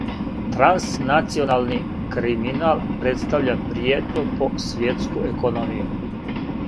Транснационални криминал представља пријетњу по свјетску економију.